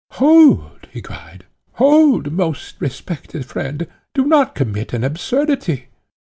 "Hold!" he cried; "hold, most respected friend; do not commit an absurdity.